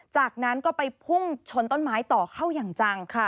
จากนั้นก็ไปพุ่งชนต้นไม้ต่อเข้าอย่างจังค่ะ